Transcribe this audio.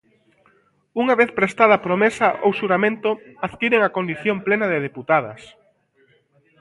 Unha vez prestada a promesa ou xuramento, adquiren a condición plena de deputadas.